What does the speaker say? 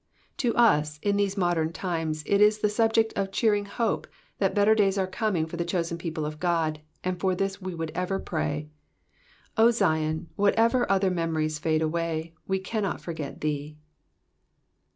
To us, in these modern times, it is the subject of cheering hope that better days are coming for the chosen people of God, and for this we would ever pray. O Zion, whatever other memories fade away, we cannot forget thee.